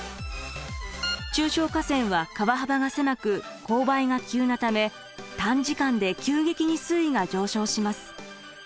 中小河川は川幅が狭く勾配が急なため短時間で急激に水位が上昇します。